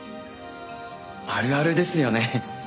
あるあるですよね。